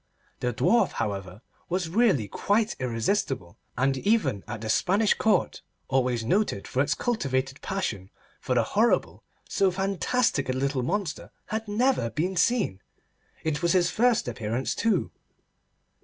The Dwarf, however, was really quite irresistible, and even at the Spanish Court, always noted for its cultivated passion for the horrible, so fantastic a little monster had never been seen. It was his first appearance, too.